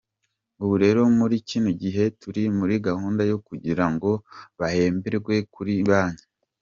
Ubu rero muri kino gihe turi muri gahunda yo kugira ngo bahemberwe kuri banki.